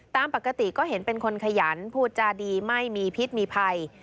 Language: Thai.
ตามปกติก็เห็นเป็นคนขยันพูดจาดีไม่มีพิษมีภัย